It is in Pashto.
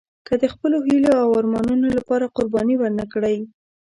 که د خپلو هیلو او ارمانونو لپاره قرباني ورنه کړئ.